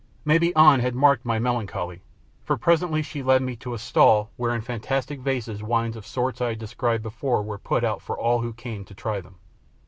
Maybe An had marked my melancholy, for presently she led me to a stall where in fantastic vases wines of sorts I have described before were put out for all who came to try them.